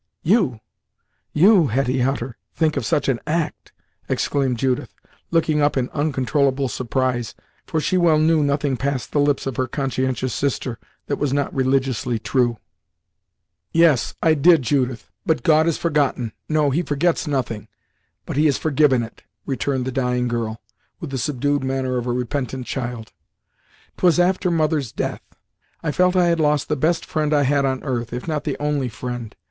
"You! You, Hetty Hutter, think of such an act!" exclaimed Judith, looking up in uncontrollable surprise, for she well knew nothing passed the lips of her conscientious sister, that was not religiously true. "Yes, I did, Judith, but God has forgotten no he forgets nothing but he has forgiven it," returned the dying girl, with the subdued manner of a repentant child. "'Twas after mother's death; I felt I had lost the best friend I had on earth, if not the only friend.